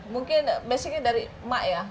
mungkin basicnya dari emak ya